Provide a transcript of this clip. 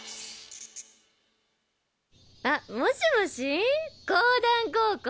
あっもしもし講談高校？